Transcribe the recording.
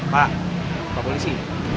pak pak polisi